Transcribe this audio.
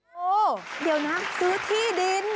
โอ้โหเดี๋ยวนะซื้อที่ดิน